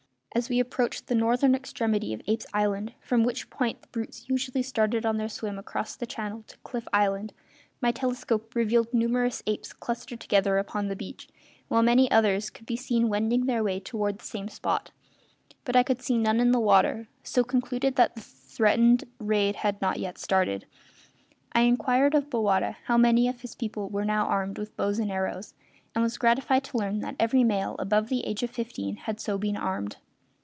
As we approached the northern extremity of Apes' Island, from which point the brutes usually started on their swim across the channel to Cliff Island, my telescope revealed numerous apes clustered together upon the beach, while many others could be seen wending their way toward the same spot; but I could see none in the water, so concluded that the threatened raid had not yet started. I inquired of Bowata how many of his people were now armed with bows and arrows, and was gratified to learn that every male above the age of fifteen had been so armed.